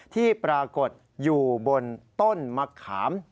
ที่ปรากฏอยู่บนต้นมะขาม